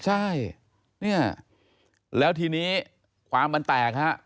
ใช่เนี่ยแล้วทีนี้ความมันแตกฮะ